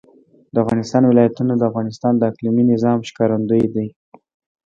د افغانستان ولايتونه د افغانستان د اقلیمي نظام ښکارندوی ده.